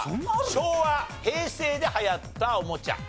昭和平成で流行ったおもちゃ。